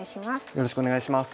よろしくお願いします。